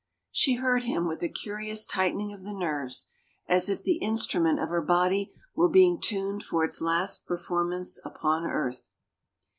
She heard him with a curious tight ening of the nerves, as if the instrument of her body were being tuned for its last performance upon earth.